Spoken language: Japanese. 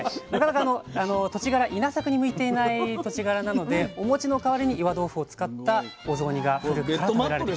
土地柄稲作に向いていない土地柄なのでお餅の代わりに岩豆腐を使ったお雑煮が振る舞われられていたと。